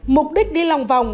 mục đích đi lòng vòng